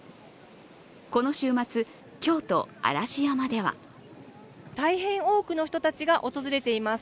この週末、京都・嵐山では大変多くの人たちが訪れています。